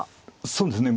そうですね。